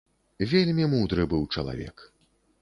Вельмі мудры быў чалавек.